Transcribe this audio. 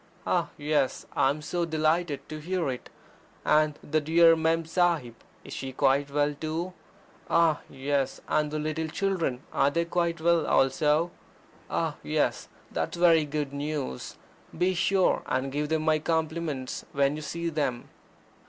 Ah, yes, I am so delighted to hear it I And the dear Mem Sahib, is she quite well too? Ah, yes! and the little children are they quite well also? Ah, yes I that's very goad news! Be sure and give them my compliments when you see them."